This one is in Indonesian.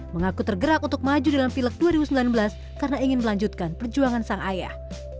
mengaku tergerak untuk maju dalam pilek dua ribu sembilan belas karena ingin melanjutkan perjuangan sang ayah